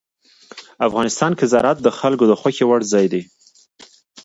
افغانستان کې زراعت د خلکو د خوښې وړ ځای دی.